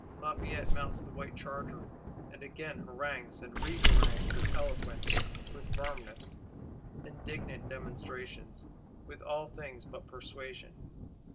Lafayette mounts the white charger; and again harangues and reharangues: with eloquence, with firmness, indignant demonstration; with all things but persuasion.